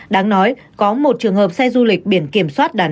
đáng nói có một trường hợp xe du lịch biển kiểm soát đắn